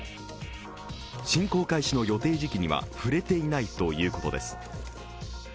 侵攻開始の予定時期には触れていないということです。